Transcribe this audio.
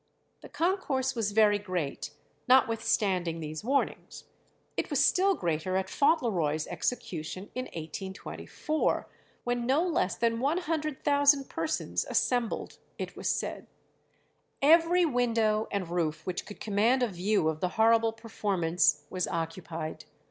The concourse was very great, notwithstanding these warnings. It was still greater at Fauntleroy's execution in 1824, when no less than 100,000 persons assembled, it was said. Every window and roof which could command a view of the horrible performance was occupied.